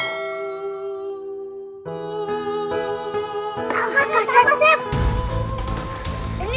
tidak boleh dabei sekilas kita